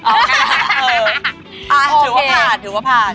ถือว่าผ่าน